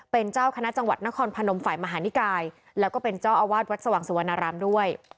เป็นเจ้าคณะจังหวัดนครพนมฝ่ายมหานิกายแล้วก็เป็นเจ้าอาวาสวัดสว่างสุวรรณรามด้วย